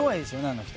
あの人。